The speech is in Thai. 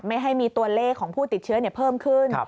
ไม่ให้มีตัวเลขของผู้ติดเชื้อเพิ่มขึ้น